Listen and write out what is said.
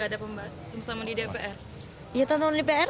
tidak ada pembantu sama di dpr